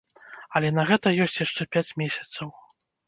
Але на гэта ёсць яшчэ пяць месяцаў.